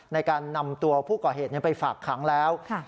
ในการนำตัวผู้ก่อเหตุไปฝากขังแล้ว